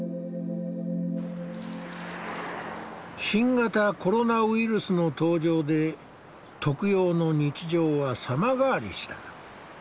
新型コロナウイルスの登場で特養の日常は様変わりした。